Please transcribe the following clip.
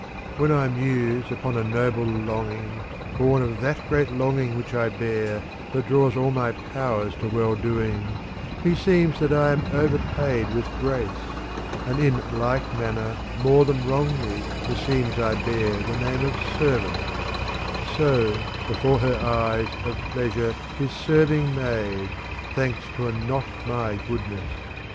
IV R : When I muse upon a noble longing,' bbrii' ■* of that great longing which I bear, that draws all my powers to well doing, Meseems that I am overpayed with grace ; and in like manner more than wrongly meseems I bear the name of servant ; So, before her eyes, of pleasure Is serving made, thanks to a not my ^ goodness.